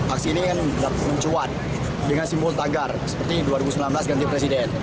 aksi ini kan mencuat dengan simbol tagar seperti dua ribu sembilan belas ganti presiden